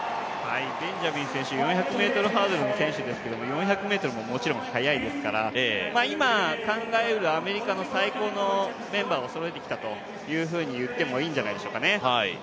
ベンジャミン選手４００ｍハードルの選手ですけれども４００ｍももちろん速いですから、今、考えうるアメリカの最高のメンバーをそろえてきたと言ってもいいんじゃないでしょうかね。